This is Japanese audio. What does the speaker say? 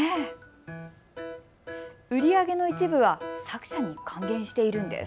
売り上げの一部は作者に還元しているんです。